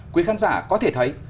quý khán giả có thể thấy